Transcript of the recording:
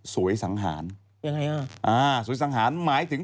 สังหารยังไงอ่ะอ่าสวยสังหารหมายถึง